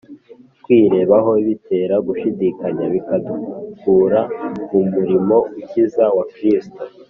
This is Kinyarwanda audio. Kwirebaho bitera gushidikanya bikadukura mu murimo ukiza wa Kristo.